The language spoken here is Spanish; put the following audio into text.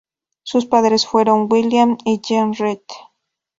Sus padres fueron William y Jeanne Reed.